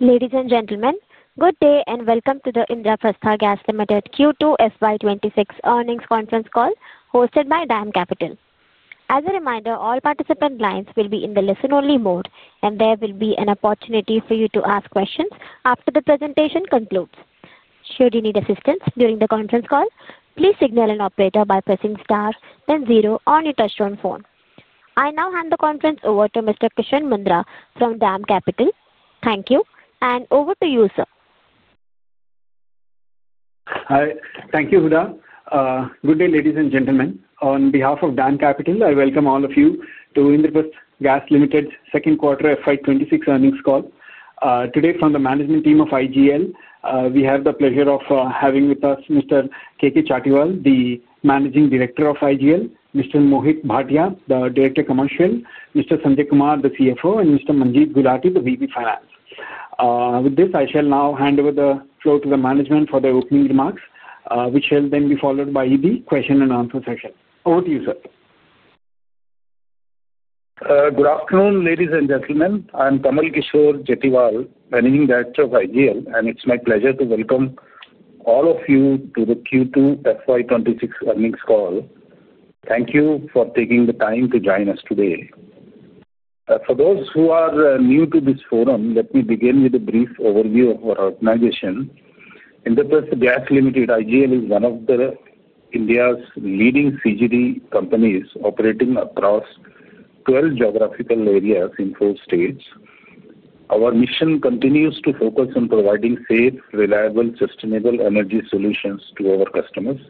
Ladies and gentlemen, good day and welcome to the Indraprastha Gas Limited Q2 FY2026 earnings conference call hosted by DAM Capital. As a reminder, all participant lines will be in the listen-only mode, and there will be an opportunity for you to ask questions after the presentation concludes. Should you need assistance during the conference call, please signal an operator by pressing star and zero on your touch-tone phone. I now hand the conference over to Mr. Krishan Mundra from DAM Capital. Thank you, and over to you, sir. Thank you, Huda. Good day, ladies and gentlemen. On behalf of DAM Capital, I welcome all of you to Indraprastha Gas Limited's second quarter FY26 earnings call. Today, from the management team of IGL, we have the pleasure of having with us Mr. K. K. Chatiwal, the Managing Director of IGL, Mr. Mohit Bhatia, the Director Commercial, Mr. Sanjay Kumar, the CFO, and Mr. Manjeet Gulati, the VP Finance. With this, I shall now hand over the floor to the management for their opening remarks, which shall then be followed by the question-and-answer session. Over to you, sir. Good afternoon, ladies and gentlemen. I'm Kamal Kishore Chatiwal, Managing Director of IGL, and it's my pleasure to welcome all of you to the Q2 FY2026 earnings call. Thank you for taking the time to join us today. For those who are new to this forum, let me begin with a brief overview of our organization. Indraprastha Gas Limited, IGL, is one of India's leading CGD companies operating across 12 geographical areas in four states. Our mission continues to focus on providing safe, reliable, sustainable energy solutions to our customers.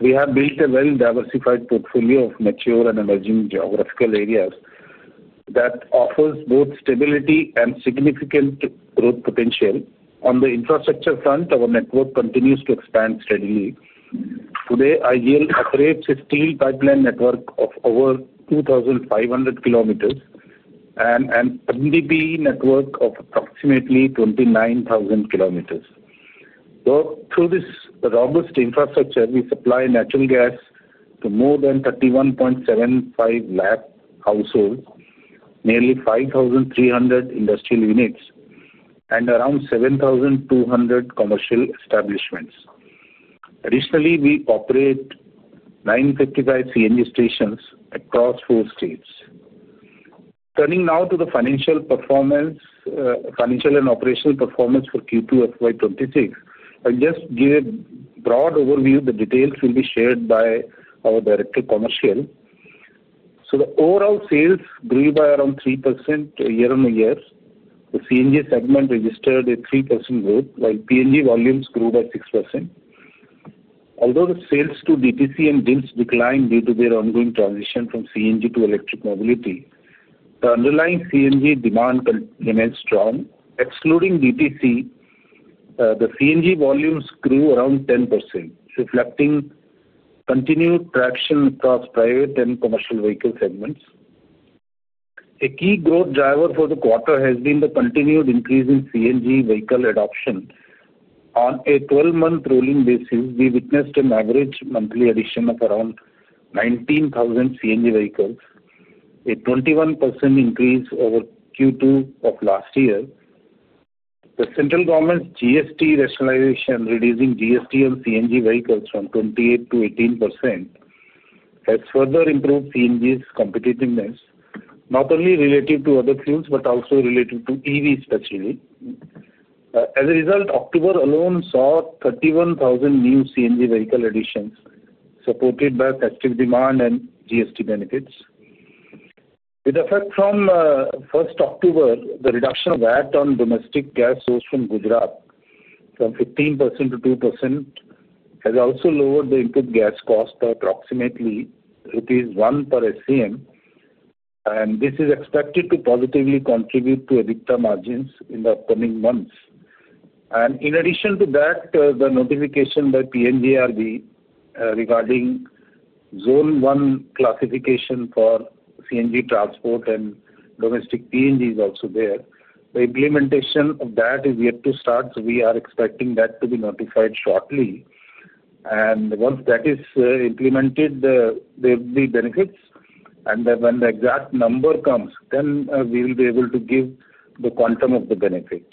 We have built a well-diversified portfolio of mature and emerging geographical areas that offers both stability and significant growth potential. On the infrastructure front, our network continues to expand steadily. Today, IGL operates a steel pipeline network of over 2,500 km and an MDPE network of approximately 29,000 km. Through this robust infrastructure, we supply natural gas to more than 3.175 million households, nearly 5,300 industrial units, and around 7,200 commercial establishments. Additionally, we operate 955 CNG stations across four states. Turning now to the financial and operational performance for Q2 FY2026, I'll just give a broad overview. The details will be shared by our Director Commercial. The overall sales grew by around 3% year-on-year. The CNG segment registered a 3% growth, while PNG volumes grew by 6%. Although the sales to DTC and DIMS declined due to their ongoing transition from CNG to electric mobility, the underlying CNG demand remained strong. Excluding DTC, the CNG volumes grew around 10%, reflecting continued traction across private and commercial vehicle segments. A key growth driver for the quarter has been the continued increase in CNG vehicle adoption. On a 12-month rolling basis, we witnessed an average monthly addition of around 19,000 CNG vehicles, a 21% increase over Q2 of last year. The central government's GST rationalization, reducing GST on CNG vehicles from 28% to 18%, has further improved CNG's competitiveness, not only relative to other fuels but also relative to EVs specifically. As a result, October alone saw 31,000 new CNG vehicle additions, supported by festive demand and GST benefits. With effect from 1 October, the reduction of VAT on domestic gas sourced from Gujarat from 15% to 2% has also lowered the input gas cost by approximately rupees 1 per SCM, and this is expected to positively contribute to EBITDA margins in the upcoming months. In addition to that, the notification by PNGRB regarding Zone 1 classification for CNG transport and domestic PNG is also there. The implementation of that is yet to start, so we are expecting that to be notified shortly. Once that is implemented, there will be benefits, and when the exact number comes, then we will be able to give the quantum of the benefit.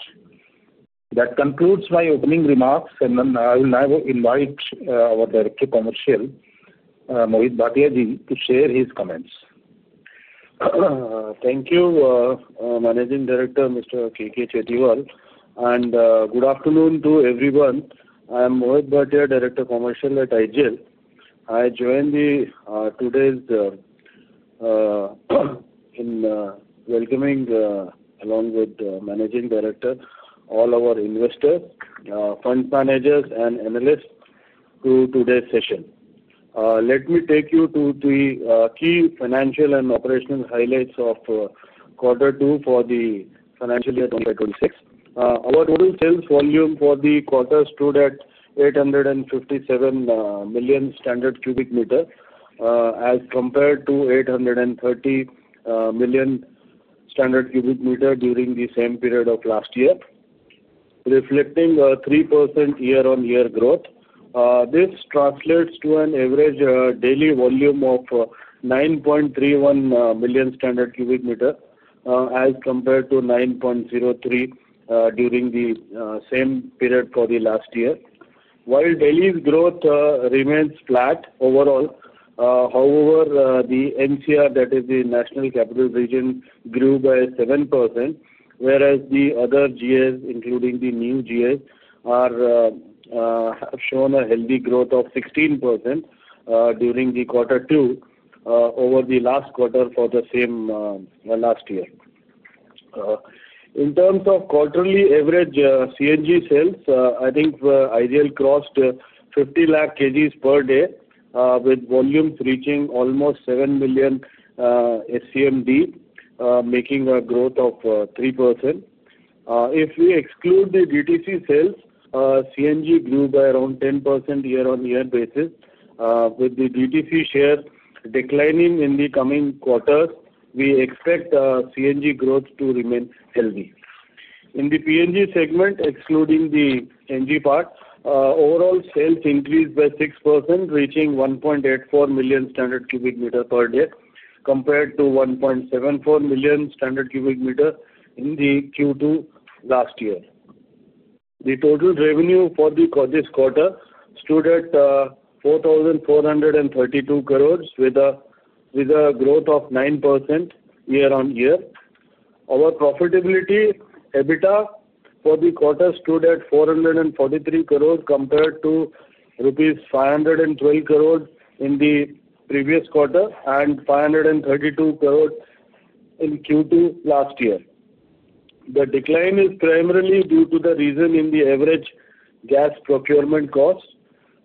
That concludes my opening remarks, and I will now invite our Director Commercial, Mohit Bhatia, to share his comments. Thank you, Managing Director Mr. K. K. Chatiwal, and good afternoon to everyone. I'm Mohit Bhatia, Director Commercial at IGL. I joined today's welcoming, along with the Managing Director, all our investors, fund managers, and analysts to today's session. Let me take you to the key financial and operational highlights of quarter two for the financial year 2026. Our total sales volume for the quarter stood at 857 million standard cubic meters as compared to 830 million standard cubic meters during the same period of last year, reflecting a 3% year-on-year growth. This translates to an average daily volume of 9.31 million standard cubic meters as compared to 9.03 during the same period for the last year. While daily growth remains flat overall, however, the NCR, that is the National Capital Region, grew by 7%, whereas the other GIs, including the new GIs, have shown a healthy growth of 16% during the quarter two over the last quarter for the same last year. In terms of quarterly average CNG sales, I think IGL crossed 50 lakh kg per day, with volumes reaching almost 7 million SCMD, making a growth of 3%. If we exclude the DTC sales, CNG grew by around 10% year-on-year basis. With the DTC share declining in the coming quarters, we expect CNG growth to remain healthy. In the PNG segment, excluding the NG part, overall sales increased by 6%, reaching 1.84 million standard cubic meters per day, compared to 1.74 million standard cubic meters in the Q2 last year. The total revenue for this quarter stood at 4,432 crore, with a growth of 9% year-on-year. Our profitability EBITDA for the quarter stood at 443 crore, compared to rupees 512 crore in the previous quarter and 532 crore in Q2 last year. The decline is primarily due to the reason in the average gas procurement cost.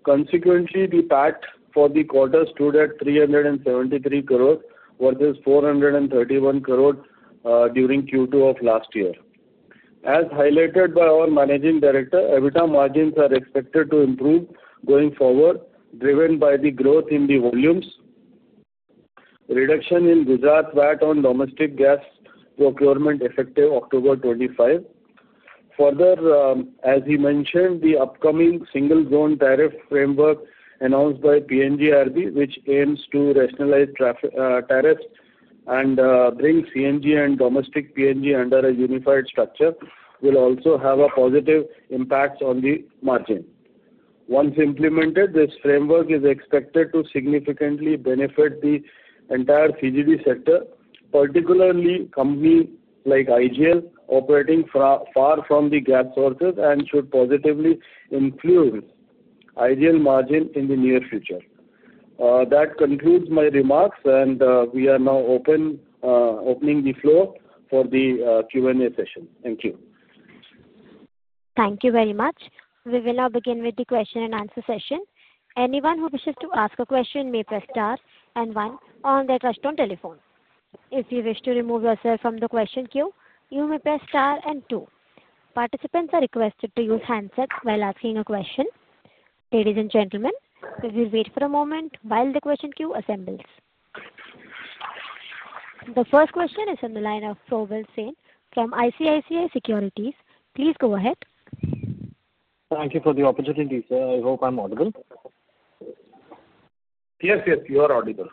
Consequently, the PAT for the quarter stood at 373 crore versus 431 crore during Q2 of last year. As highlighted by our Managing Director, EBITDA margins are expected to improve going forward, driven by the growth in the volumes, reduction in Gujarat VAT on domestic gas procurement effective October 25. Further, as he mentioned, the upcoming single zone tariff framework announced by PNGRB, which aims to rationalize tariffs and bring CNG and domestic PNG under a unified structure, will also have a positive impact on the margin. Once implemented, this framework is expected to significantly benefit the entire CGD sector, particularly companies like IGL, operating far from the gas sources, and should positively influence IGL margin in the near future. That concludes my remarks, and we are now opening the floor for the Q&A session. Thank you. Thank you very much. We will now begin with the question-and-answer session. Anyone who wishes to ask a question may press star and one on their touch-tone telephone. If you wish to remove yourself from the question queue, you may press star and two. Participants are requested to use handsets while asking a question. Ladies and gentlemen, we will wait for a moment while the question queue assembles. The first question is from the line of [Provell Singh] from ICICI Securities. Please go ahead. Thank you for the opportunity. I hope I'm audible. Yes, yes, you are audible.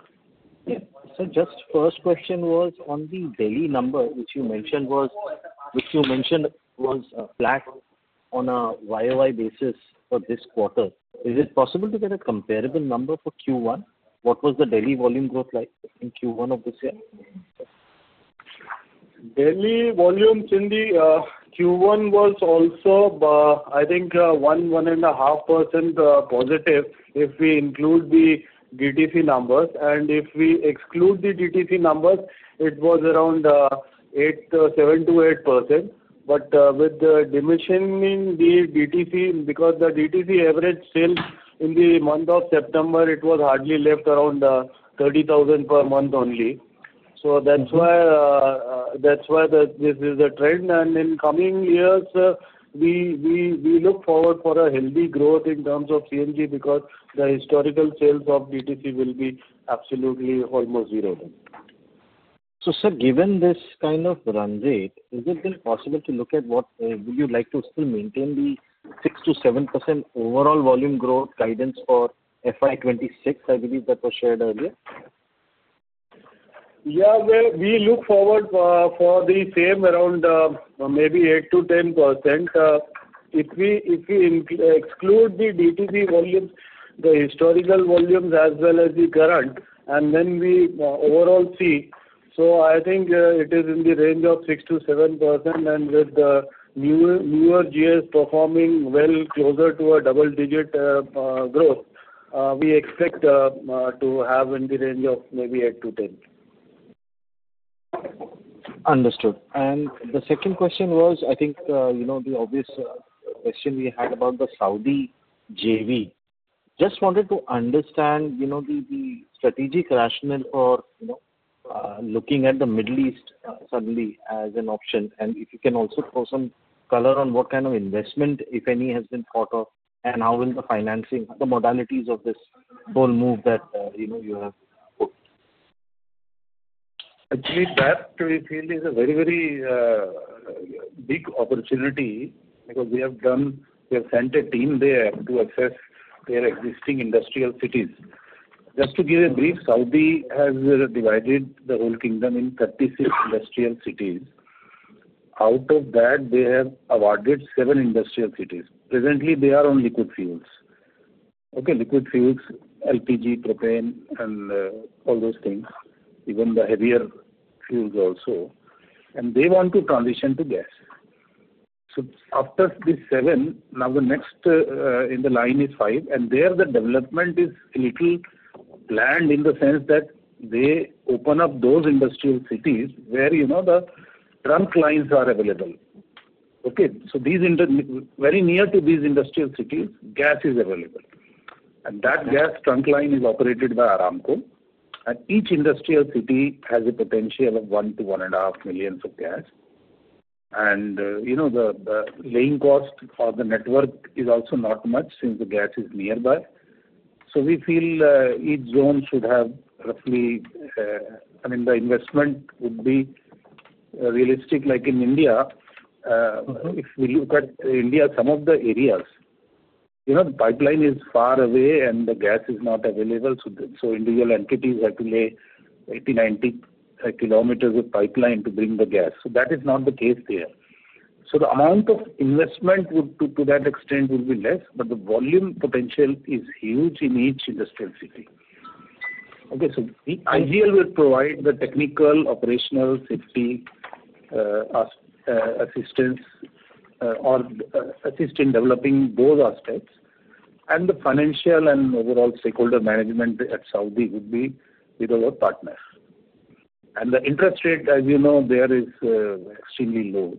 Sir, just first question was on the daily number, which you mentioned was flat on a YoY basis for this quarter. Is it possible to get a comparable number for Q1? What was the daily volume growth like in Q1 of this year? Daily volume in the Q1 was also, I think, 1%, 1.5% positive if we include the DTC numbers. If we exclude the DTC numbers, it was around 7%-8%. With the diminishing in the DTC, because the DTC average sales in the month of September, it was hardly left around 30,000 per month only. That is why this is the trend. In coming years, we look forward for a healthy growth in terms of CNG because the historical sales of DTC will be absolutely almost zero. Sir, given this kind of run rate, is it then possible to look at what would you like to still maintain the 6%-7% overall volume growth guidance for FY2026? I believe that was shared earlier. Yeah, we look forward for the same around maybe 8%-10%. If we exclude the DTC volumes, the historical volumes as well as the current, and then we overall see. I think it is in the range of 6%-7%, and with the newer GIs performing well closer to a double-digit growth, we expect to have in the range of maybe 8%-10%. Understood. The second question was, I think the obvious question we had about the Saudi JV. Just wanted to understand the strategic rationale for looking at the Middle East suddenly as an option. If you can also throw some color on what kind of investment, if any, has been thought of, and how will the financing, the modalities of this whole move that you have put? Actually, that, we feel, is a very, very big opportunity because we have sent a team there to assess their existing industrial cities. Just to give a brief, Saudi has divided the whole kingdom in 36 industrial cities. Out of that, they have awarded seven industrial cities. Presently, they are on liquid fuels. Okay, liquid fuels, LPG, propane, and all those things, even the heavier fuels also. They want to transition to gas. After these seven, now the next in the line is five, and there the development is a little planned in the sense that they open up those industrial cities where the trunk lines are available. Okay, very near to these industrial cities, gas is available. That gas trunk line is operated by Aramco. Each industrial city has a potential of 1 million-1.5 million of gas. The laying cost for the network is also not much since the gas is nearby. We feel each zone should have roughly, I mean, the investment would be realistic, like in India. If we look at India, some of the areas, the pipeline is far away, and the gas is not available. Individual entities have to lay 80 km, 90 km of pipeline to bring the gas. That is not the case there. The amount of investment to that extent would be less, but the volume potential is huge in each industrial city. IGL will provide the technical, operational, safety assistance or assist in developing both aspects. The financial and overall stakeholder management at Saudi would be with our partners. The interest rate, as you know, is extremely low.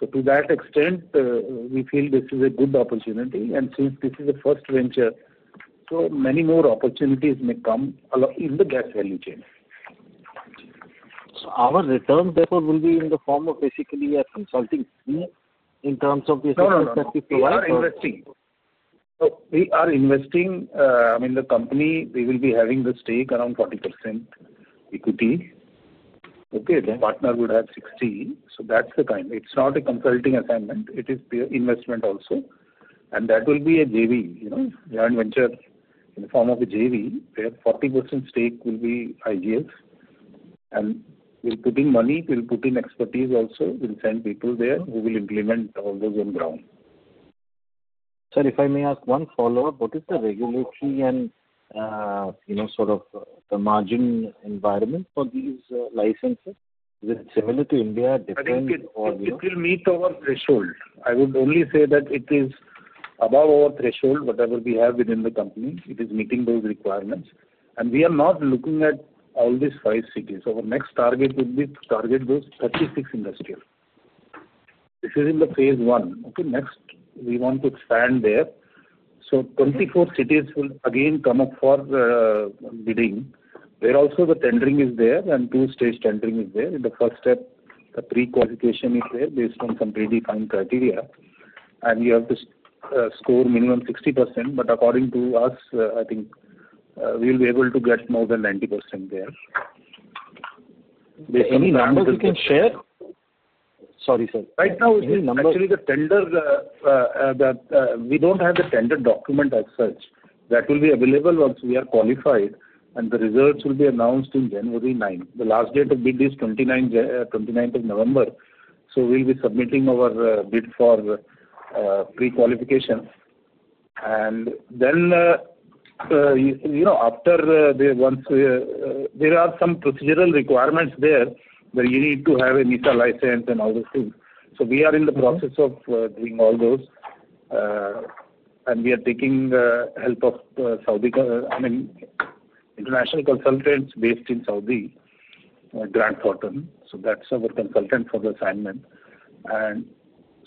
To that extent, we feel this is a good opportunity. Since this is a first venture, so many more opportunities may come in the gas value chain. Our return paper will be in the form of basically a consulting fee in terms of the assistance that we provide? We are investing. I mean, the company, we will be having the stake around 40% equity. Okay, the partner would have 60%. That's the kind. It's not a consulting assignment. It is pure investment also. That will be a JV, joint venture in the form of a JV, where 40% stake will be IGL's. We are putting money, we will put in expertise also. We will send people there who will implement all those on ground. Sir, if I may ask one follow-up, what is the regulatory and sort of the margin environment for these licenses? Is it similar to India, different? It will meet our threshold. I would only say that it is above our threshold, whatever we have within the company. It is meeting those requirements. We are not looking at all these five cities. Our next target would be to target those 36 industrial. This is in the phase one. Okay, next, we want to expand there. Twenty-four cities will again come up for bidding, where also the tendering is there and two-stage tendering is there. The first step, the pre-qualification is there based on some predefined criteria. You have to score minimum 60%. According to us, I think we will be able to get more than 90% there. Any numbers you can share? Sorry, sir. Right now, actually, the tender, we don't have the tender document as such. That will be available once we are qualified, and the results will be announced on January 9. The last date of bid is 29th of November. We'll be submitting our bid for pre-qualification. After, there are some procedural requirements there where you need to have a NISA license and all those things. We are in the process of doing all those. We are taking help of international consultants based in Saudi, Grant Thornton. That's our consultant for the assignment.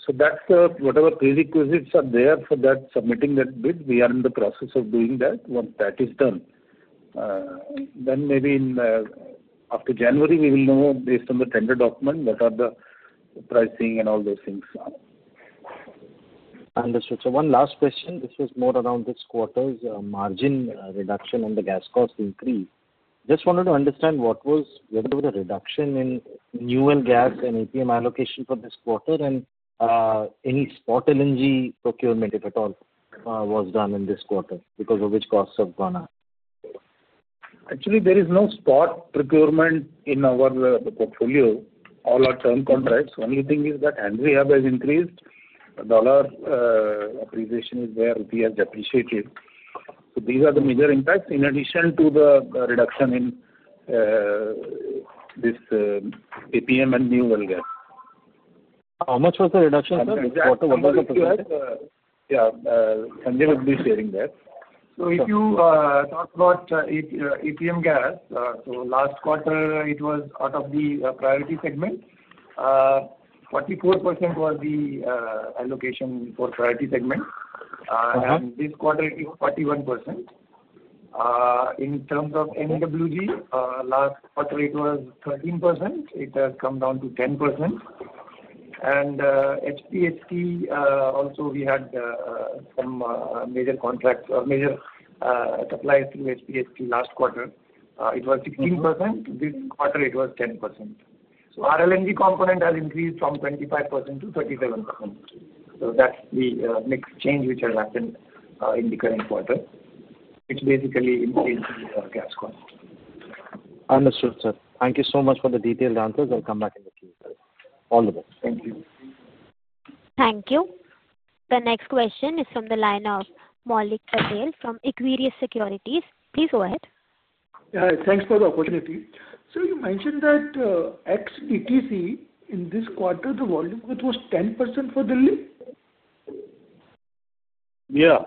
Whatever prerequisites are there for submitting that bid, we are in the process of doing that. Once that is done, maybe after January, we will know based on the tender document what are the pricing and all those things. Understood. One last question. This was more around this quarter's margin reduction and the gas cost increase. Just wanted to understand what was the reduction in newer gas and APM allocation for this quarter, and any spot LNG procurement, if at all, was done in this quarter because of which costs have gone up? Actually, there is no spot procurement in our portfolio, all our term contracts. The only thing is that handicap has increased. Dollar appreciation is there. We have depreciated. These are the major impacts in addition to the reduction in this APM and new well gas. How much was the reduction, sir? Yeah, Sunday we'll be sharing that. If you talk about APM gas, last quarter, it was out of the priority segment. 44% was the allocation for priority segment. This quarter, it is 41%. In terms of NWG, last quarter, it was 13%. It has come down to 10%. HPHT, also we had some major contracts or major supplies through HPHT last quarter. It was 16%. This quarter, it was 10%. Our LNG component has increased from 25% to 37%. That is the mix change which has happened in the current quarter, which basically increased the gas cost. Understood, sir. Thank you so much for the detailed answers. I'll come back in the Q&A. All the best. Thank you. Thank you. The next question is from the line of Maulik Patel from Equirus Securities. Please go ahead. Thanks for the opportunity. You mentioned that ex-DTC, in this quarter, the volume growth was 10% for Delhi? Yeah.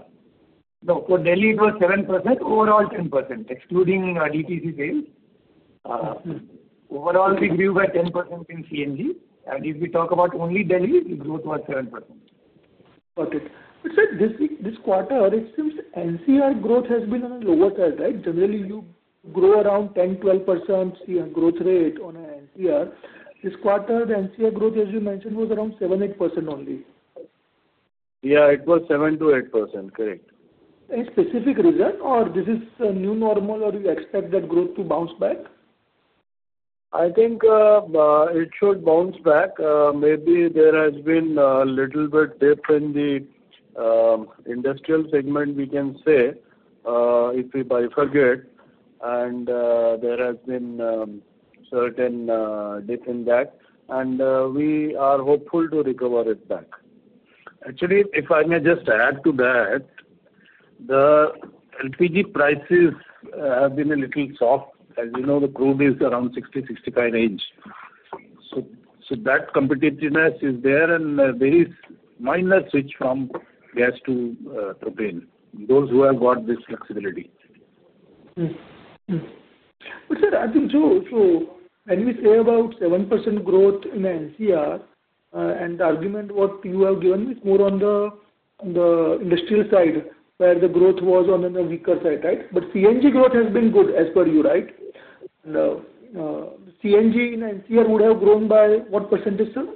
No, for Delhi, it was 7%. Overall, 10%, excluding DTC sales. Overall, we grew by 10% in CNG. And if we talk about only Delhi, the growth was 7%. Got it. Sir, this quarter, it seems NCR growth has been on a lower tide, right? Generally, you grow around 10%, 12% growth rate on NCR. This quarter, the NCR growth, as you mentioned, was around 7%, 8% only. Yeah, it was 7%-8%. Correct. Any specific reason, or this is a new normal, or you expect that growth to bounce back? I think it should bounce back. Maybe there has been a little bit dip in the industrial segment, we can say, if we buy for good. There has been a certain dip in that. We are hopeful to recover it back. Actually, if I may just add to that, the LPG prices have been a little soft. As you know, the crude is around $60, $65 range. That competitiveness is there, and there is minor switch from gas to propane. Those who have got this flexibility. Sir, I think so when we say about 7% growth in NCR, and the argument what you have given me is more on the industrial side, where the growth was on the weaker side, right? CNG growth has been good, as per you, right? CNG in NCR would have grown by what percentage, sir?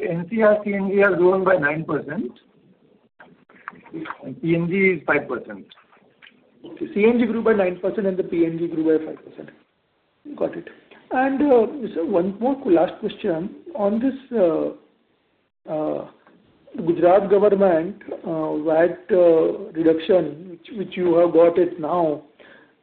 NCR, CNG has grown by 9%. PNG is 5%. CNG grew by 9% and the PNG grew by 5%. Got it. Sir, one last question. On this Gujarat government VAT reduction, which you have got now,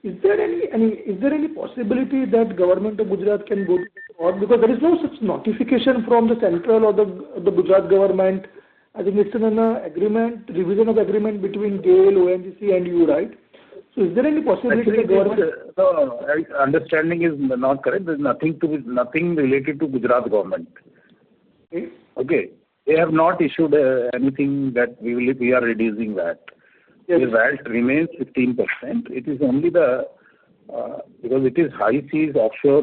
is there any possibility that government of Gujarat can go to the court? Because there is no such notification from the central or the Gujarat government. I think it's in an agreement, revision of agreement between GAIL, ONGC, and you, right? Is there any possibility the government? No, no, no. Understanding is not correct. There's nothing related to Gujarat government. Okay? They have not issued anything that we are reducing that. The VAT remains 15%. It is only because it is high seas offshore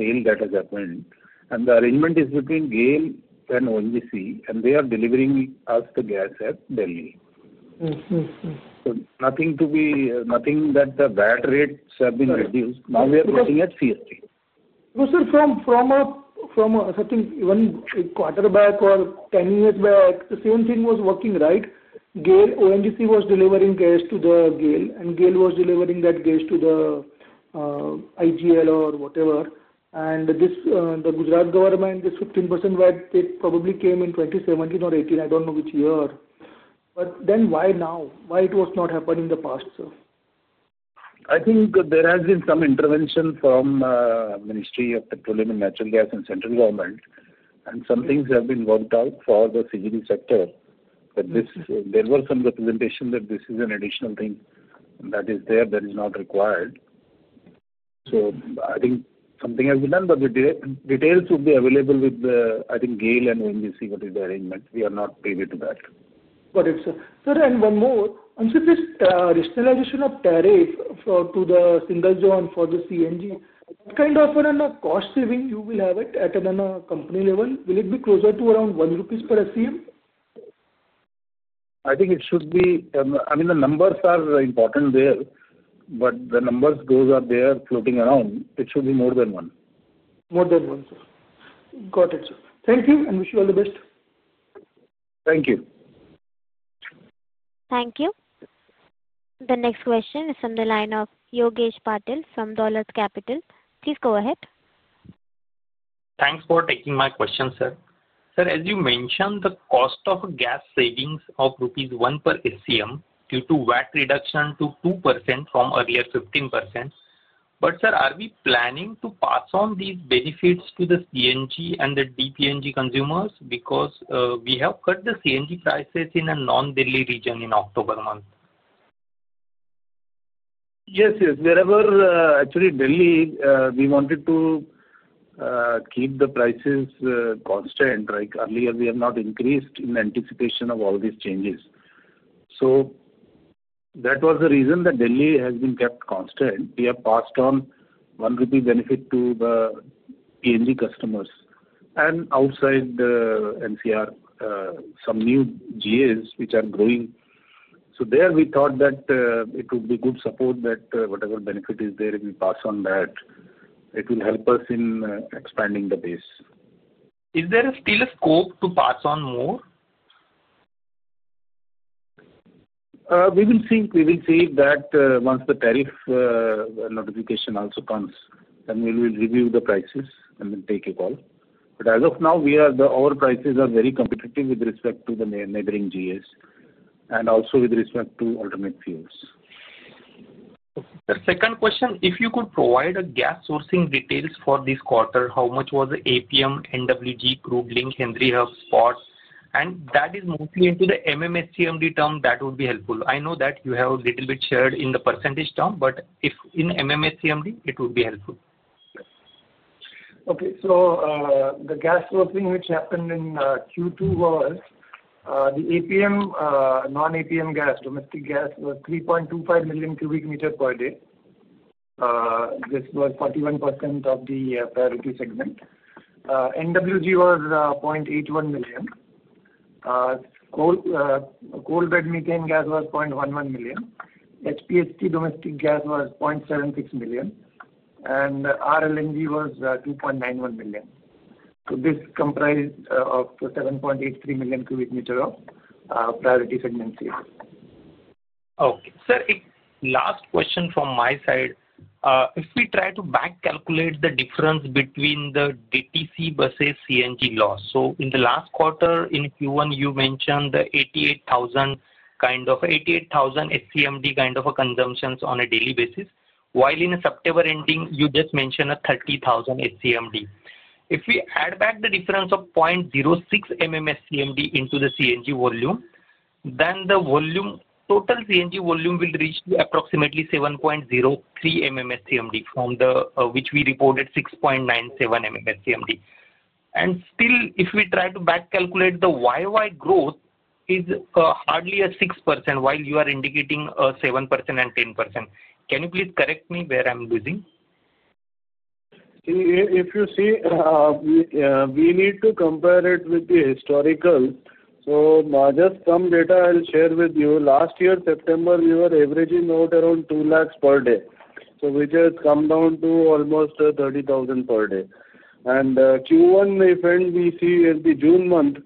sale that has happened. And the arrangement is between GAIL and ONGC, and they are delivering us the gas at Delhi. So nothing that the VAT rates have been reduced. Now we are looking at CST. Sir, from a, I think, one quarter back or 10 years back, the same thing was working, right? GAIL, ONGC was delivering gas to GAIL, and GAIL was delivering that gas to IGL or whatever. The Gujarat government, this 15% VAT, it probably came in 2017 or 2018. I do not know which year. Why now? Why was it not happened in the past, sir? I think there has been some intervention from the Ministry of Petroleum and Natural Gas and central government. Some things have been worked out for the CGD sector. There were some representations that this is an additional thing that is there that is not required. I think something has been done, but the details will be available with, I think, GAIL and ONGC, what is the arrangement. We are not privy to that. Got it, sir. Sir, and one more. On this additional addition of tariff to the single zone for the CNG, what kind of a cost saving you will have at a company level? Will it be closer to around 1 rupees per SCM? I think it should be. I mean, the numbers are important there. But the numbers go up, they are floating around. It should be more than one. More than one, sir. Got it, sir. Thank you and wish you all the best. Thank you. Thank you. The next question is from the line of Yogesh Patil from Dolat Capital. Please go ahead. Thanks for taking my question, sir. Sir, as you mentioned, the cost of gas savings of rupees 1 per SCM due to VAT reduction to 2% from earlier 15%. Are we planning to pass on these benefits to the CNG and the DPNG consumers? We have cut the CNG prices in a non-Delhi region in October month. Yes, yes. Wherever, actually, Delhi, we wanted to keep the prices constant. Earlier, we have not increased in anticipation of all these changes. That was the reason that Delhi has been kept constant. We have passed on 1 rupee benefit to the PNG customers. Outside the NCR, some new GAs which are growing, there we thought that it would be good support that whatever benefit is there, we pass on that. It will help us in expanding the base. Is there still a scope to pass on more? We will see. We will see that once the tariff notification also comes. We will review the prices and then take a call. As of now, our prices are very competitive with respect to the neighboring GAs and also with respect to alternate fuels. The second question, if you could provide gas sourcing details for this quarter, how much was the APM, NWG, crude link, Henry Hub? That is mostly into the MMSCMD term, that would be helpful. I know that you have a little bit shared in the percentage term, but if in MMSCMD, it would be helpful. Okay. So the gas sourcing which happened in Q2 was the APM, non-APM gas, domestic gas was 3.25 million cubic meter per day. This was 41% of the priority segment. NWG was 0.81 million. Coalbed methane gas was 0.11 million. HPHT domestic gas was 0.76 million. RLNG was 2.91 million. This comprised of 7.83 million cubic meter of priority segment sales. Okay. Sir, last question from my side. If we try to back calculate the difference between the DTC versus CNG loss, in the last quarter, in Q1, you mentioned the 88,000 kind of 88,000 SCMD kind of consumptions on a daily basis, while in September ending, you just mentioned 30,000 SCMD. If we add back the difference of 0.06 MMSCMD into the CNG volume, then the total CNG volume will reach approximately 7.03 MMSCMD from which we reported 6.97 MMSCMD. And still, if we try to back calculate the YoY growth, it's hardly 6%, while you are indicating 7% and 10%. Can you please correct me where I'm losing? If you see, we need to compare it with the historical. Just some data I'll share with you. Last year, September, we were averaging out around 200,000 per day, which has come down to almost 30,000 per day. In Q1, if we see in the June month,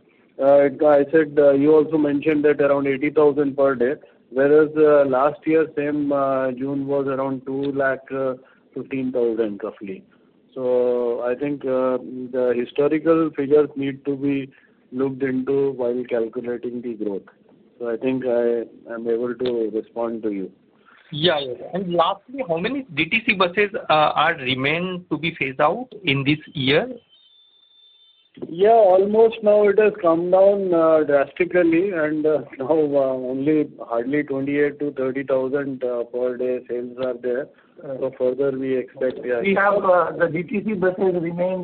I said you also mentioned that around 80,000 per day, whereas last year, same June was around 215,000 roughly. I think the historical figures need to be looked into while calculating the growth. I think I am able to respond to you. Yeah, yeah. Lastly, how many DTC buses are remain to be phased out in this year? Yeah, almost now it has come down drastically. Now only hardly 28,000-30,000 per day sales are there. Further, we expect we have the DTC buses remain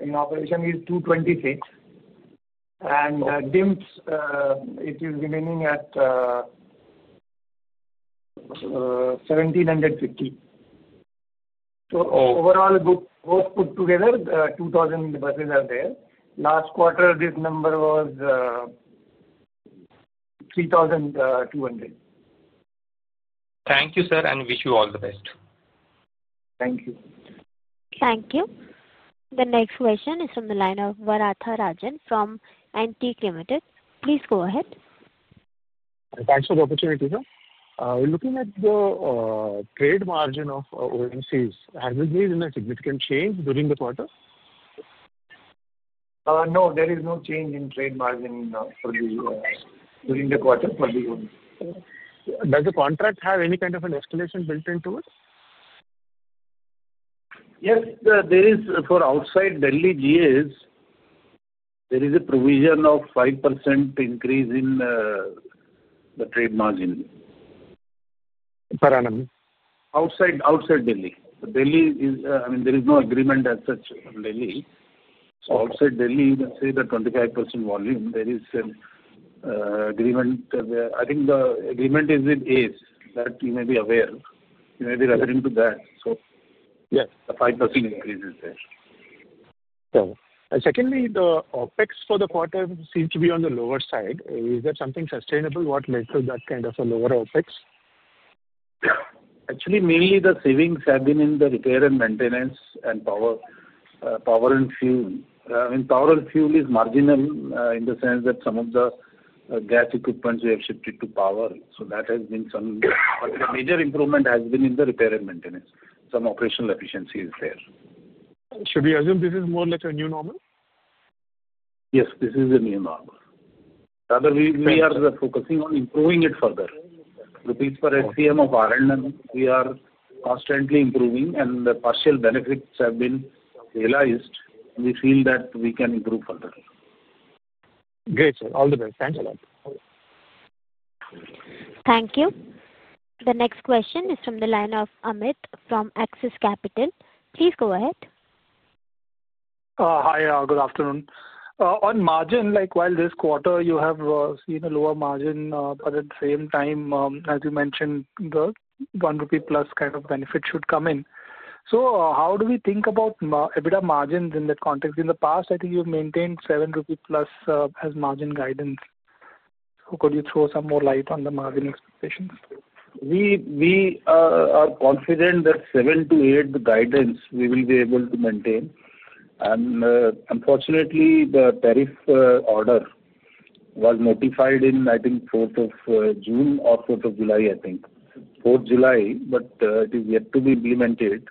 in operation is 226, and DIMS, it is remaining at 1,750. Overall, both put together, 2,000 buses are there. Last quarter, this number was 3,200. Thank you, sir, and wish you all the best. Thank you. Thank you. The next question is from the line of Varatharajan from Antique Limited. Please go ahead. Thanks for the opportunity, sir. We're looking at the trade margin of ONGC. Has there been any significant change during the quarter? No, there is no change in trade margin during the quarter for the ONGC. Does the contract have any kind of an escalation built into it? Yes, there is for outside Delhi GAs, there is a provision of 5% increase in the trade margin. Paranam? Outside Delhi. Delhi is, I mean, there is no agreement as such in Delhi. Outside Delhi, you can say the 25% volume, there is an agreement. I think the agreement is with ACE that you may be aware. You may be referring to that. The 5% increase is there. Secondly, the OpEx for the quarter seems to be on the lower side. Is there something sustainable? What led to that kind of a lower OpEx? Actually, mainly the savings have been in the repair and maintenance and power and fuel. I mean, power and fuel is marginal in the sense that some of the gas equipment we have shifted to power. That has been some. The major improvement has been in the repair and maintenance. Some operational efficiency is there. Should we assume this is more like a new normal? Yes, this is a new normal. Rather, we are focusing on improving it further. Rupees per SCM or per annum, we are constantly improving. The partial benefits have been realized. We feel that we can improve further. Great, sir. All the best. Thanks a lot. Thank you. The next question is from the line of Amit from Axis Capital. Please go ahead. Hi, good afternoon. On margin, while this quarter, you have seen a lower margin, but at the same time, as you mentioned, the 1+ rupee kind of benefit should come in. How do we think about EBITDA margin in that context? In the past, I think you maintained 7+ rupees as margin guidance. Could you throw some more light on the margin expectations? We are confident that 7-8, the guidance, we will be able to maintain. Unfortunately, the tariff order was notified in, I think, 4th of June or 4th of July, I think. 4th July, but it is yet to be implemented.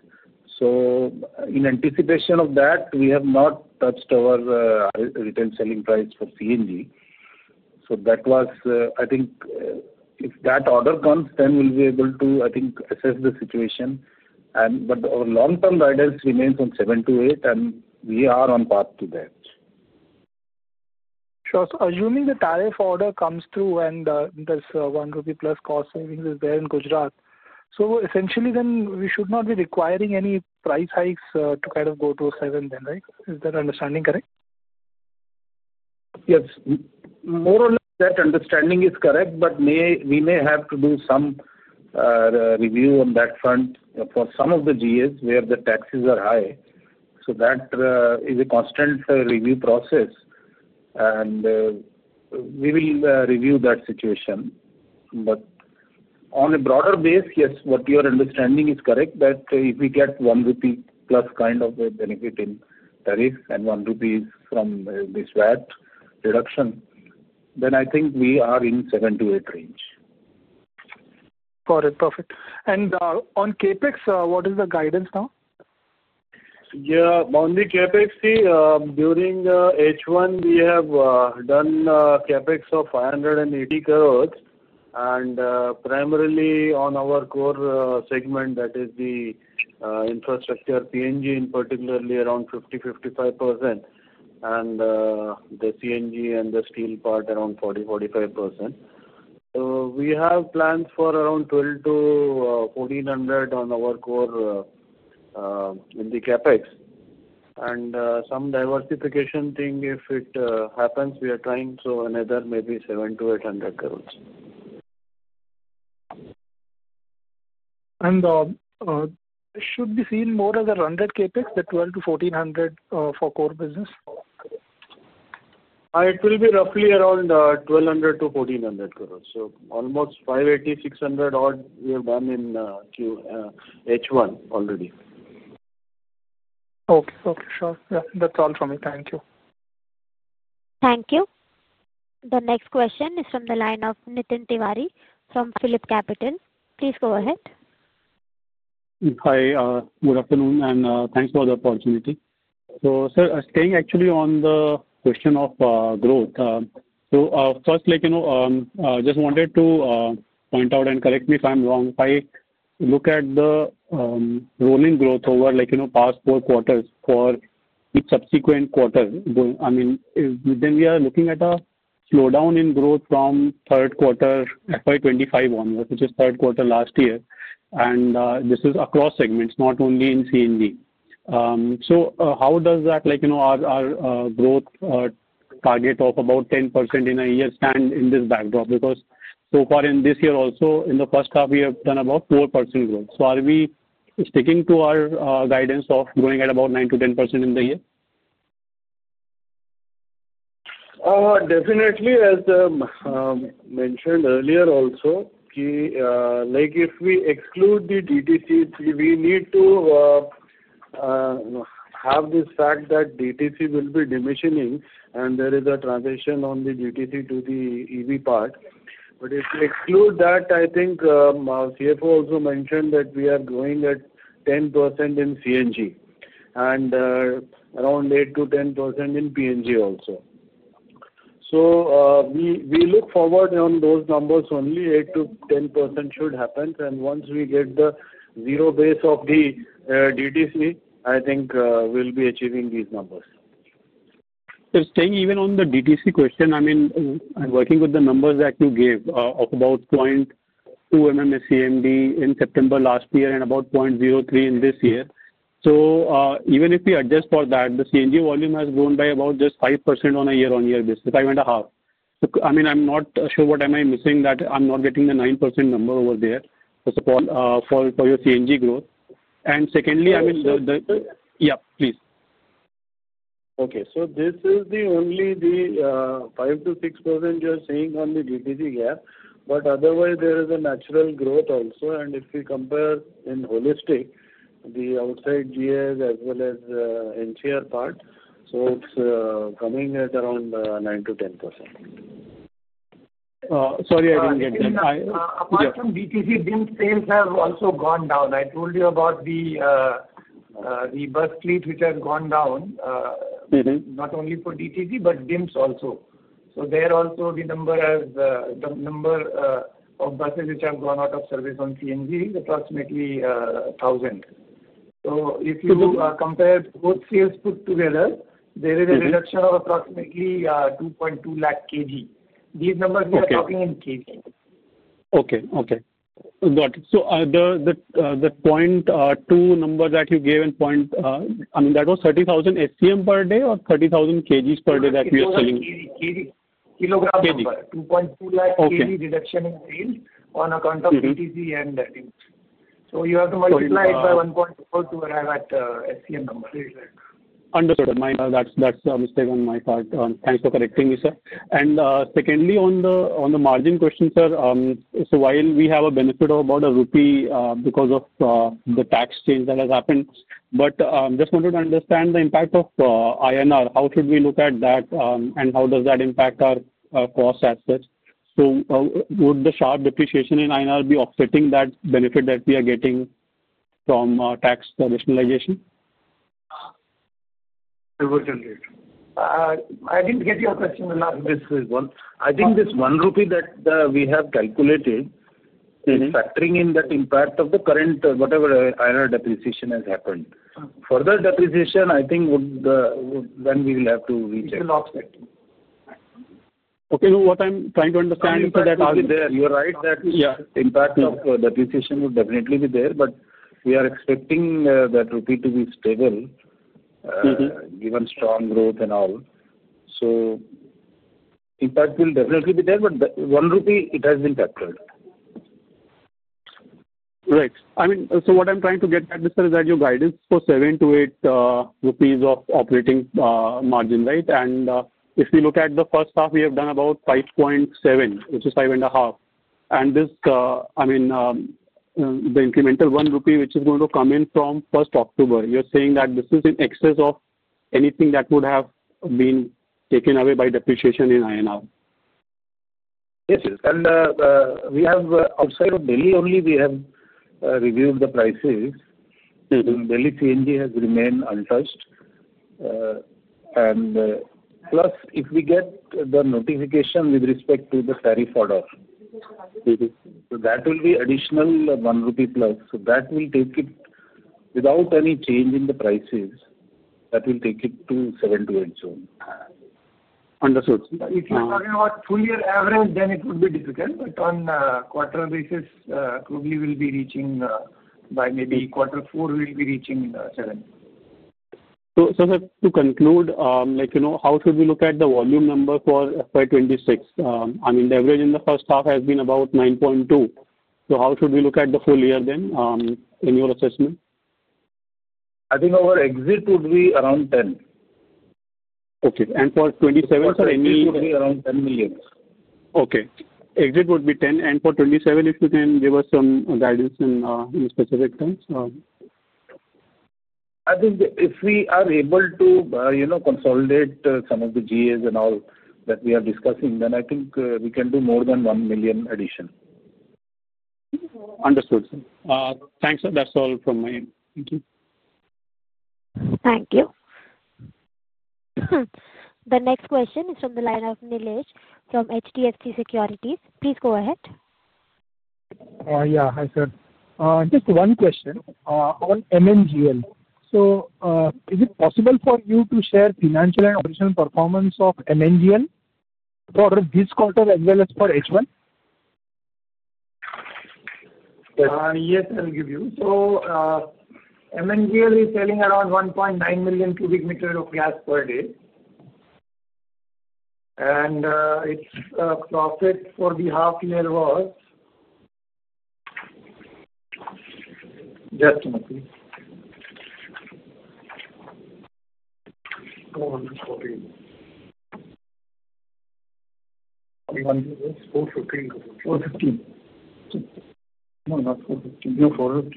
In anticipation of that, we have not touched our retail selling price for CNG. That was, I think, if that order comes, then we'll be able to, I think, assess the situation. Our long-term guidance remains on 7-8, and we are on path to that. Sure. Assuming the tariff order comes through and this 1+ rupee cost savings is there in Gujarat, essentially, then we should not be requiring any price hikes to kind of go to 7 then, right? Is that understanding correct? Yes. More or less, that understanding is correct, but we may have to do some review on that front for some of the GAs where the taxes are high. That is a constant review process. We will review that situation. On a broader base, yes, what your understanding is correct that if we get 1+ rupee kind of a benefit in tariff and 1 rupee from this VAT reduction, then I think we are in 7-8 range. Got it. Perfect. On CapEx, what is the guidance now? Yeah. On the CapEx, during H1, we have done CapEx of 580 crore. And primarily on our core segment, that is the infrastructure, PNG in particular, around 50%, 55%. The CNG and the steel part are around 40%, 45%. We have plans for around 1,200 crore-1,400 crore in the CapEx. Some diversification thing, if it happens, we are trying. Another maybe 700 crore-800 crore. Should we see more as a rounded CapEx, the 1,200 crore-1,400 crore for core business? It will be roughly around 1,200 crore-1,400 crore. Almost 580 crore-600 crore we have done in H1 already. Okay. Okay. Sure. Yeah. That's all from me. Thank you. Thank you. The next question is from the line of Nitin Tiwari from PhilipCapital. Please go ahead. Hi. Good afternoon. Thanks for the opportunity. Sir, staying actually on the question of growth. First, I just wanted to point out and correct me if I'm wrong. If I look at the rolling growth over the past four quarters for each subsequent quarter, I mean, we are looking at a slowdown in growth from third quarter FY2025 onwards, which is third quarter last year. This is across segments, not only in CNG. How does our growth target of about 10% in a year stand in this backdrop? Because so far in this year also, in the first half, we have done about 4% growth. Are we sticking to our guidance of growing at about 9%-10% in the year? Definitely, as mentioned earlier also, if we exclude the DTC, we need to have this fact that DTC will be diminishing and there is a transition on the DTC to the EV part. If we exclude that, I think CFO also mentioned that we are growing at 10% in CNG and around 8%-10% in PNG also. We look forward on those numbers only. 8%-10% should happen. Once we get the zero base of the DTC, I think we'll be achieving these numbers. Staying even on the DTC question, I mean, I'm working with the numbers that you gave of about 0.2 MMSCMD in September last year and about 0.03 in this year. Even if we adjust for that, the CNG volume has grown by about just 5% on a year-on-year basis, 5.5%. I mean, I'm not sure what am I missing that I'm not getting the 9% number over there for your CNG growth. Secondly, I mean. This is. Yeah, please. Okay. This is only the 5%-6% you are seeing on the DTC gap. Otherwise, there is a natural growth also. If we compare in holistic, the outside GAs as well as NCR part, it is coming at around 9%-10%. Sorry, I didn't get that. Apart from DTC, DIMS sales have also gone down. I told you about the bus fleet which has gone down, not only for DTC, but DIMS also. There also, the number of buses which have gone out of service on CNG is approximately 1,000. If you compare both sales put together, there is a reduction of approximately 2.2 lakh kg. These numbers, we are talking in kg. Okay. Okay. Got it. So the 0.2 number that you gave and. I mean, that was 30,000 SCM per day or 30,000 kgs per day that you are selling? Kilogram per day. 2.2 lakh kg reduction in sales on account of DTC and DIMS. You have to multiply it by 1.2 to arrive at SCM number. Understood. That's a mistake on my part. Thanks for correcting me, sir. Secondly, on the margin question, sir, while we have a benefit of about INR 1 because of the tax change that has happened, I just wanted to understand the impact of INR. How should we look at that and how does that impact our cost assets? Would the sharp depreciation in INR be offsetting that benefit that we are getting from tax additionalization? I didn't get your question well. This is one. I think this 1 rupee that we have calculated is factoring in that impact of the current whatever INR depreciation has happened. Further depreciation, I think then we will have to reach. Okay. What I'm trying to understand. It will probably be there. You're right that impact of depreciation would definitely be there, but we are expecting that rupee to be stable given strong growth and all. Impact will definitely be there, but 1 rupee, it has been factored. Right. I mean, what I'm trying to get at, sir, is that your guidance for 7-8 rupees of operating margin, right? And if we look at the first half, we have done about 5.7, which is 5.5. I mean, the incremental 1 rupee, which is going to come in from 1st October, you're saying that this is in excess of anything that would have been taken away by depreciation in INR? Yes. We have, outside of Delhi only, we have reviewed the prices. Delhi CNG has remained untouched. Plus, if we get the notification with respect to the tariff order, that will be additional 1 rupee plus. That will take it, without any change in the prices, that will take it to 7-8 zone. Understood. If you're talking about full year average, then it would be difficult. But on quarter basis, probably we'll be reaching by maybe quarter four, we'll be reaching 7. Sir, to conclude, how should we look at the volume number for FY2026? I mean, the average in the first half has been about 9.2. How should we look at the full year then in your assessment? I think our exit would be around 10. Okay. For 2027, sir, any? Exit would be around 10 million. Okay. Exit would be 10. And for 2027, if you can give us some guidance in specific terms. I think if we are able to consolidate some of the GAs and all that we are discussing, then I think we can do more than 1 million addition. Understood, sir. Thanks, sir. That's all from my end. Thank you. Thank you. The next question is from the line of Nilesh from HDFC Securities. Please go ahead. Yeah. Hi, sir. Just one question on MNGL. Is it possible for you to share financial and operational performance of MNGL for this quarter as well as for H1? Yes, I'll give you. MNGL is selling around 1.9 million cubic meters of gas per day. Its profit for the half-year was just INR 415 million. INR 415 million? INR 415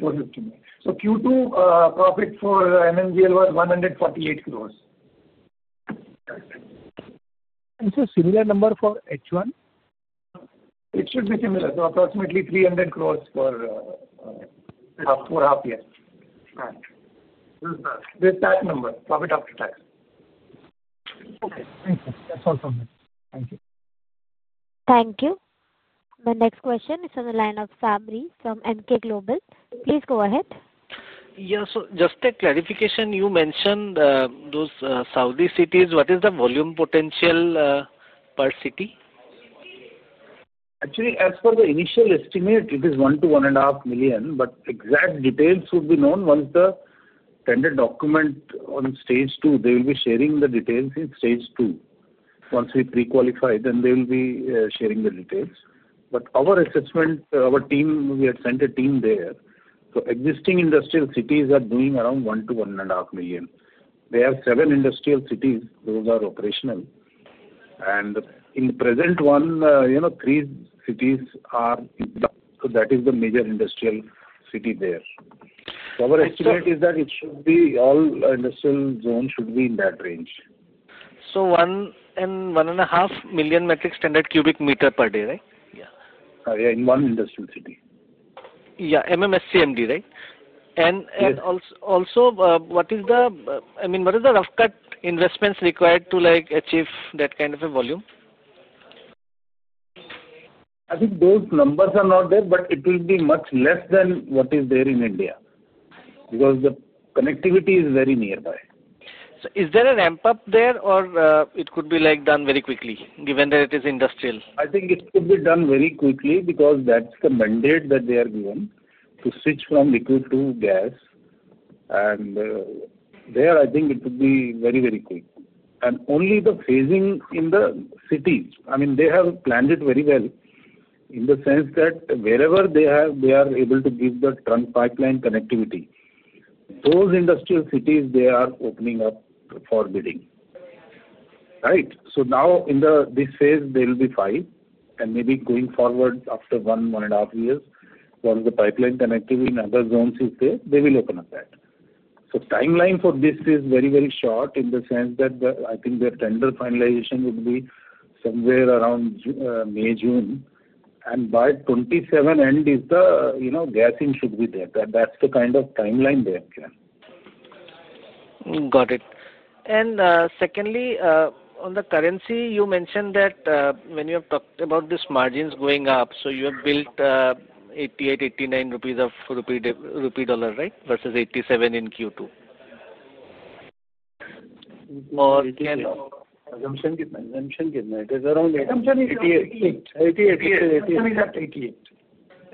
million. Q2 profit for MNGL was 1.48 million. Sir, similar number for H1? It should be similar. So approximately 300 crore for half-year. Correct. With that number, profit after tax. Okay. Thank you. That's all from me. Thank you. Thank you. The next question is from the line of Sabri from Emkay Global. Please go ahead. Yeah. So just a clarification. You mentioned those Saudi cities. What is the volume potential per city? Actually, as per the initial estimate, it is 1 million-1.5 million. Exact details would be known once the tender document on stage two. They will be sharing the details in stage two. Once we pre-qualify, they will be sharing the details. Our assessment, our team, we had sent a team there. Existing industrial cities are doing around 1 million-1.5 million. There are seven industrial cities. Those are operational. In the present one, three cities are. That is the major industrial city there. Our estimate is that all industrial zones should be in that range. One and 1.5 million metric standard cubic meter per day, right? Yeah. In one industrial city. Yeah. MMSCMD, right? And also, what is the, I mean, what is the rough cut investments required to achieve that kind of a volume? I think those numbers are not there, but it will be much less than what is there in India because the connectivity is very nearby. Is there a ramp-up there or it could be done very quickly given that it is industrial? I think it could be done very quickly because that's the mandate that they are given to switch from liquid to gas. There, I think it would be very, very quick. Only the phasing in the cities, I mean, they have planned it very well in the sense that wherever they are able to give the trunk pipeline connectivity, those industrial cities, they are opening up for bidding. Right? Now in this phase, there will be five. Maybe going forward after one, one and a half years, when the pipeline connectivity in other zones is there, they will open up that. The timeline for this is very, very short in the sense that I think their tender finalization would be somewhere around May, June. By 2027 end, the gasing should be there. That's the kind of timeline they have planned. Got it. Secondly, on the currency, you mentioned that when you have talked about this margins going up, you have built 88-89 rupee dollar, right, versus 87 in Q2? Assumption is around 88.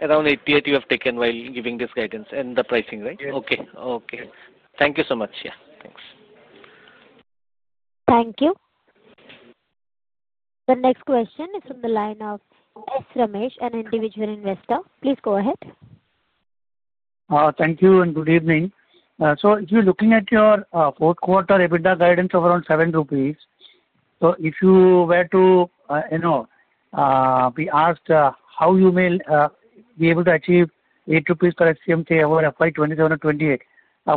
Around 88 you have taken while giving this guidance and the pricing, right? Yes. Okay. Okay. Thank you so much. Yeah. Thanks. Thank you. The next question is from the line of S. Ramesh, an individual investor. Please go ahead. Thank you and good evening. If you're looking at your fourth quarter EBITDA guidance of around 7 rupees, if you were to be asked how you may be able to achieve 8 rupees per SCM over FY2028,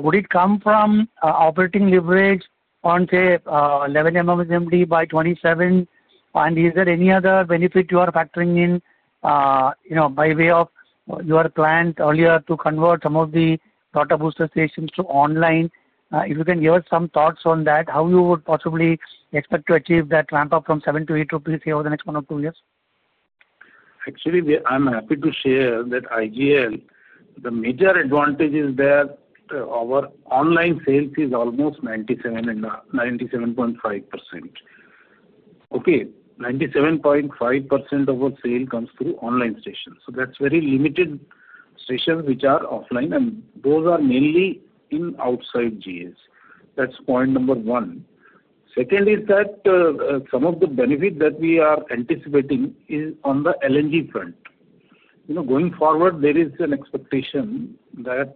would it come from operating leverage on, say, 11 MMSCMD by 2027? Is there any other benefit you are factoring in by way of your plan earlier to convert some of the Tata booster stations to online? If you can give us some thoughts on that, how you would possibly expect to achieve that ramp-up from 7 to 8 rupees over the next one or two years? Actually, I'm happy to share that idea. The major advantage is that our online sales is almost 97.5%. Okay. 97.5% of our sale comes through online stations. That's very limited stations which are offline, and those are mainly in outside GAs. That's point number one. Second is that some of the benefit that we are anticipating is on the LNG front. Going forward, there is an expectation that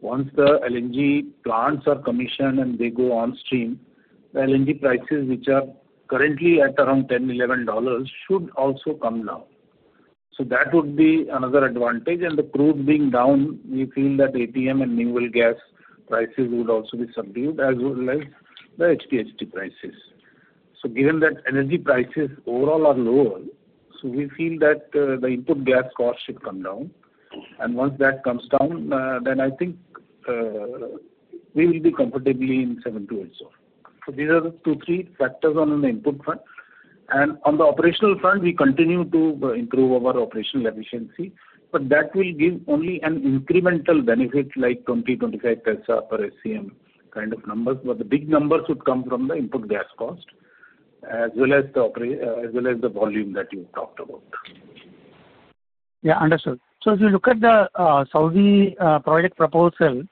once the LNG plants are commissioned and they go on stream, the LNG prices which are currently at around $10-$11 should also come down. That would be another advantage. The crude being down, we feel that APM and natural gas prices would also be subdued as well as the HPHT prices. Given that energy prices overall are lower, we feel that the input gas cost should come down. Once that comes down, I think we will be comfortably in the 7-8 zone. These are the two, three factors on the input front. On the operational front, we continue to improve our operational efficiency, but that will give only an incremental benefit like 20-25 paisa per SCM kind of numbers. The big numbers would come from the input gas cost as well as the volume that you talked about. Yeah. Understood. If you look at the Saudi project proposal,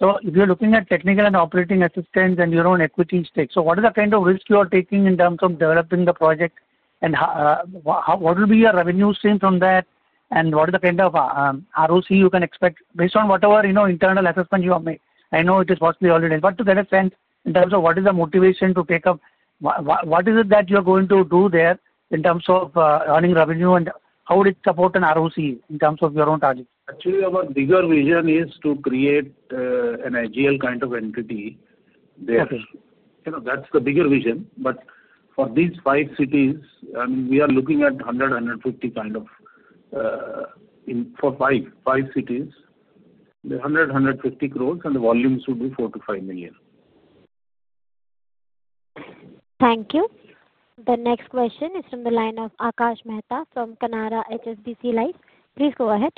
if you're looking at technical and operating assistance and your own equity stake, what are the kind of risks you are taking in terms of developing the project? What will be your revenue stream from that? What are the kind of ROC you can expect based on whatever internal assessment you have made? I know it is possibly already done, but to get a sense in terms of what is the motivation to take up, what is it that you are going to do there in terms of earning revenue, and how would it support an ROC in terms of your own target? Actually, our bigger vision is to create an IGL kind of entity. That's the bigger vision. For these five cities, I mean, we are looking at 100 crore, 150 crore for five cities, and the volume should be 4 million-5 million. Thank you. The next question is from the line of Akash Mehta from Canara HSBC Life. Please go ahead.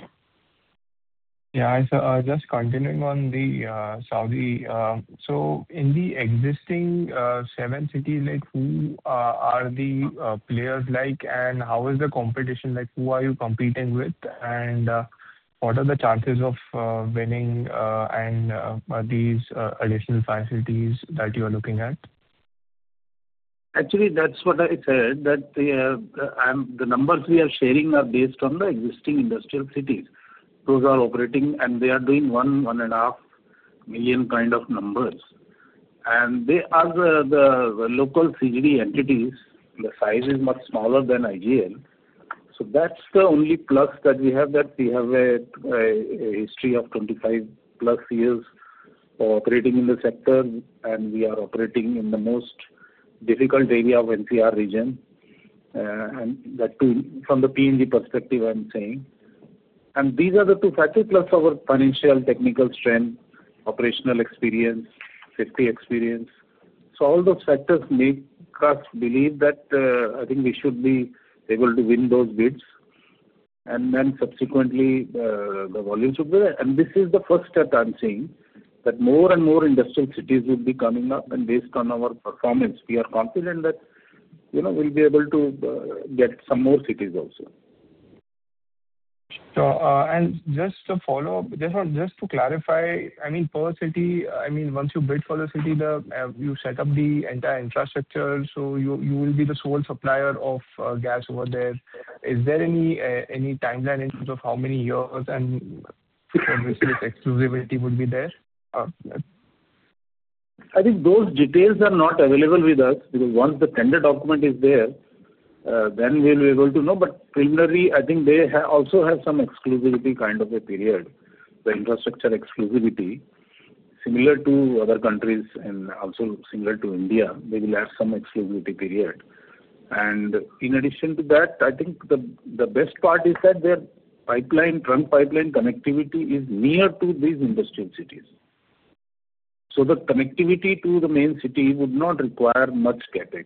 Yeah. Just continuing on the Saudi, in the existing seven cities, who are the players like, and how is the competition like? Who are you competing with, and what are the chances of winning these additional five cities that you are looking at? Actually, that's what I said, that the numbers we are sharing are based on the existing industrial cities. Those are operating, and they are doing 1 million, 1.5 million kind of numbers. They are the local CGD entities. The size is much smaller than IGL. That's the only plus that we have, that we have a history of 25+ years operating in the sector, and we are operating in the most difficult area of NCR region. That too from the PNG perspective, I'm saying. These are the two factors plus our financial, technical strength, operational experience, safety experience. All those factors make us believe that I think we should be able to win those bids. Subsequently, the volume should be there. This is the first step. I'm seeing that more and more industrial cities would be coming up. Based on our performance, we are confident that we'll be able to get some more cities also. Just to follow up, just to clarify, I mean, per city, I mean, once you bid for the city, you set up the entire infrastructure. You will be the sole supplier of gas over there. Is there any timeline in terms of how many years and what this exclusivity would be there? I think those details are not available with us because once the tender document is there, then we'll be able to know. But preliminary, I think they also have some exclusivity kind of a period, the infrastructure exclusivity, similar to other countries and also similar to India. They will have some exclusivity period. In addition to that, I think the best part is that their trunk pipeline connectivity is near to these industrial cities. The connectivity to the main city would not require much CapEx.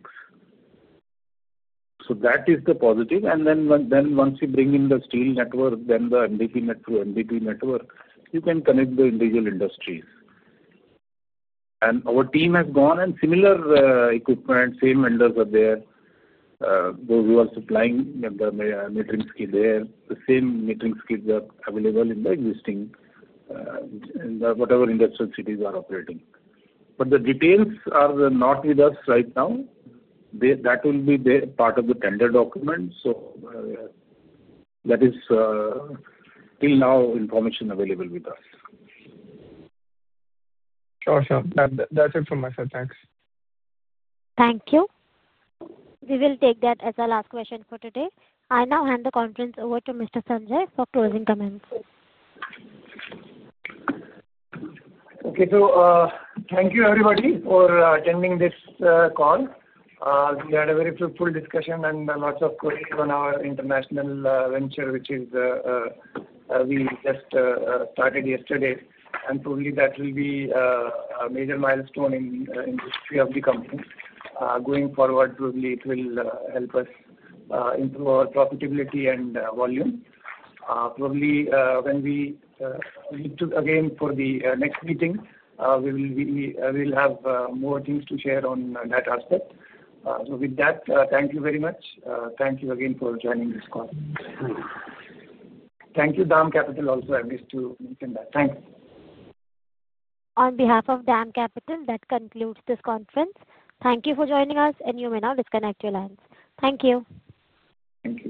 That is the positive. Once you bring in the steel network, then the MDPE network, MDPE network, you can connect the individual industries. Our team has gone and similar equipment, same vendors are there. Those who are supplying the metering skid there, the same metering skids are available in the existing whatever industrial cities are operating. The details are not with us right now. That will be part of the tender document. So there is still no information available with us. Sure, sure. That's it from my side. Thanks. Thank you. We will take that as our last question for today. I now hand the conference over to Mr. Sanjay for closing comments. Okay. Thank you, everybody, for attending this call. We had a very fruitful discussion and lots of queries on our international venture, which we just started yesterday. Probably that will be a major milestone in the history of the company. Going forward, probably it will help us improve our profitability and volume. Probably when we meet again for the next meeting, we will have more things to share on that aspect. With that, thank you very much. Thank you again for joining this call. Thank you, DAM Capital also. I missed to mention that. Thank you. On behalf of DAM Capital, that concludes this conference. Thank you for joining us, and you may now disconnect your lines. Thank you. Thank you.